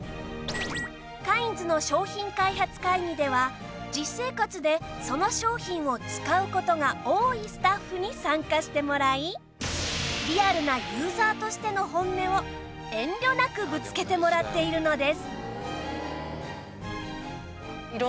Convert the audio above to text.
カインズの商品開発会議では実生活でその商品を使う事が多いスタッフに参加してもらいリアルなユーザーとしての本音を遠慮なくぶつけてもらっているのです